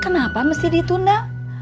kenapa mesti ditunda